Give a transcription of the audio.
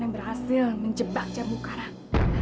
nenek berhasil menjebak cabu karang